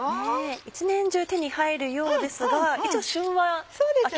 一年中手に入るようですが一応旬は秋・冬なんですよね。